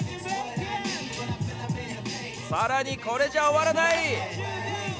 さらにこれじゃ終わらない。